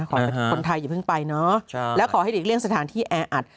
คนไทยอย่าเพิ่งไปเนอะแล้วขอให้หลีกเลี่ยงสถานที่แออัด